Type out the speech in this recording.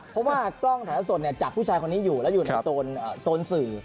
เพราะว่ากล้องถ่ายละสดจับผู้ชายคนนี้อยู่แล้วอยู่ในโซนสื่อ